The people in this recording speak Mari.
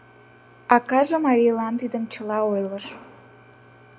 Акаже марийлан тидым чыла ойлыш.